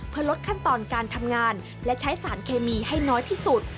เพื่อลดขั้นตอนการทำงานและใช้สารเคมีให้น้อยที่สุด